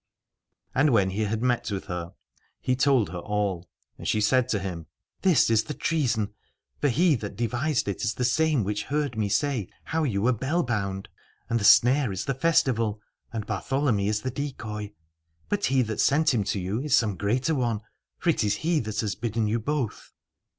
And when he had met with her, he told her all : and she said to him : This is the treason, for he that devised it is the same which heard me say how you were bell bound. And the snare is the festival, and Bartholomy is the decoy: but he that sent him to you is some greater one, for it is he that has bidden you both.